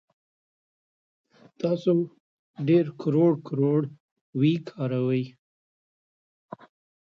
په فونېم کې بیا توپیر لري.